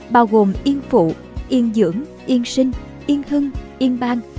bao gồm yên phụ yên dưỡng yên sinh yên hưng yên bang